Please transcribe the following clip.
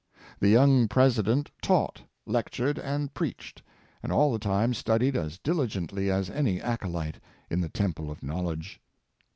The young President taught, lec tured, and preached, and all the time studied as diligent ly as any acolyte in the temple of knowledge.